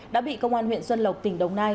đã bị công an huyện xuân lộc tỉnh đồng nai